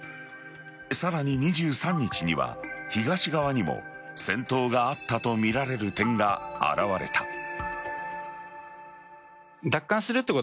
さらに２３日には東側にも戦闘があったとみられる点が現れた。